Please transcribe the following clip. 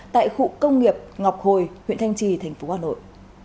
tại khu công nghiệp ngọc hồi huyện thanh trì tp hà nội